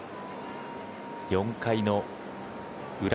４回の裏